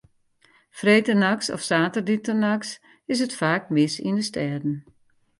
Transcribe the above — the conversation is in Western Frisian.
Freedtenachts of saterdeitenachts is it faak mis yn de stêden.